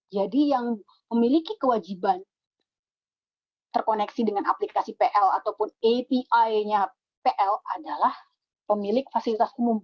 jadi yang memiliki kewajiban terkoneksi dengan aplikasi pl ataupun api nya pl adalah pemilik fasilitas umum